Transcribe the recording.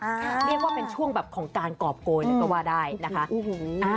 เรียกว่าเป็นช่วงแบบของการกรอบโกยเลยก็ว่าได้นะคะ